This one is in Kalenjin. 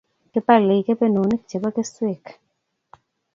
Kipalei kepenonik chebokeswek